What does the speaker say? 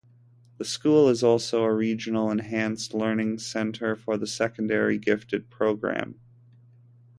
The school is also a Regional Enhanced Learning Centre for the secondary gifted program.